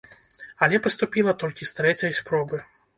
Але паступіла толькі з трэцяй спробы.